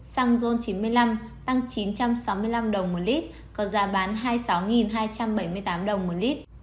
xăng ron chín mươi năm tăng chín trăm sáu mươi năm đồng một lít có giá bán hai mươi sáu hai trăm bảy mươi tám đồng một lít